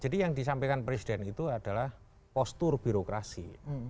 jadi yang disampaikan presiden itu adalah postur birokrasi